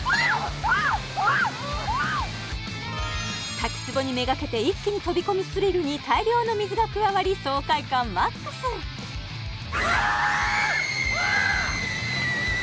滝つぼにめがけて一気に飛び込むスリルに大量の水が加わり爽快感ＭＡＸわー！